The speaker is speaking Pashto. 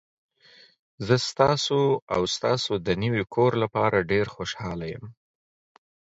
زه ستاسو او ستاسو د نوي کور لپاره ډیر خوشحاله یم.